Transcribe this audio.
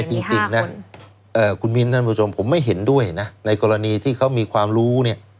คือก่อนหน้านี้มีการตรวจสอบแล้วมีคนที่จบปริญญาโท